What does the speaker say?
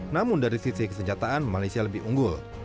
namun dari sisi kesenjataan malaysia lebih unggul